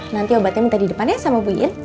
nanti obatnya minta di depannya sama bu yen